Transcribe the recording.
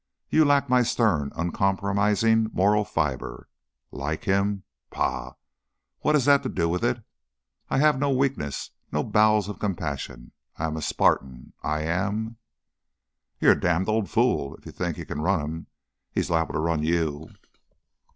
You lack my stern, uncompromising moral fiber. Like him? Pah! What has that to do with it? I have no weakness, no bowels of compassion. I am a Spartan. I am " "You're a damned old fool if you think you can run him. He's liable to run you."